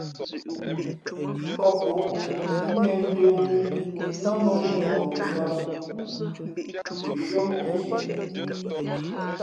Kǒppǒʼ nē ntōm nά mᾱŋū mbakngofāt tα nshʉ́ά móʼ ntieʼ.